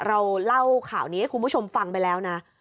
เราเล่าข่าวนี้ให้คุณผู้ชมฟังไปแล้วนะ